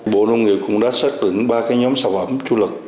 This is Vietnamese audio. bộ nông nghiệp cũng đã xác định ba cái nhóm sản phẩm tru lực